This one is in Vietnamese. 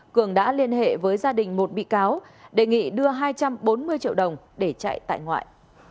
cường đã liên hệ với gia đình một bị cáo đề nghị đưa hai trăm bốn mươi triệu đồng để chạy tại ngoại